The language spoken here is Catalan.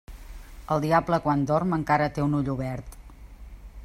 El diable quan dorm encara té un ull obert.